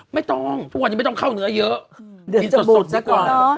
ไม่ต้องทุกวันนี้ไม่ต้องเข้าเนื้อเยอะกินสดดีกว่า